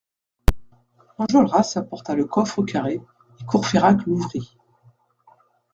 Enjolras apporta le coffre carré et Courfeyrac l'ouvrit.